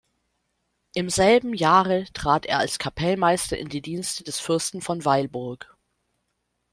Im selben Jahre trat er als Kapellmeister in die Dienste des Fürsten von Weilburg.